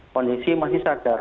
kondisi masih sadar